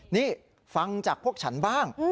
นี่ฟังจากพวกฉันบ้าง